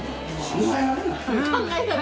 考えられない。